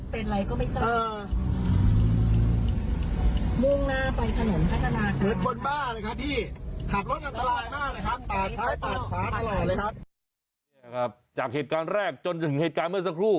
ปากท้ายปากปากตลาดเลยครับครับจากเหตุการณ์แรกจนถึงเหตุการณ์เมื่อสักครู่